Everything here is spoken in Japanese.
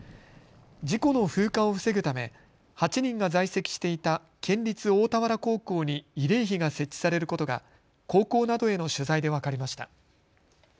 事故の風化を防ぐため８人が在籍していた県立大田原高校に慰霊碑が設置されることが高校などへの取材で分かりました。